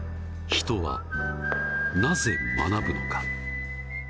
人はなぜ学ぶのか。